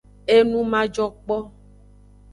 Enu majokpo.